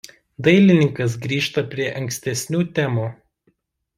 Dailininkas grįžta prie ankstesnių temų.